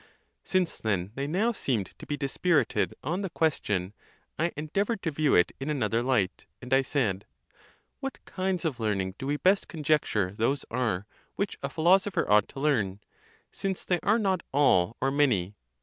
Since then they now seemed to be dispirited on the ques tion, I endeavoured to view it in another light, and I said —What kinds of learning do we best conjecture those are, which a philosopher ought to learn? since they are not all or many.